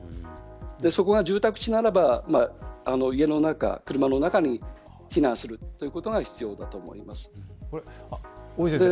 そこが住宅地ならば家の中、車の中に避難するということが必要だと思います。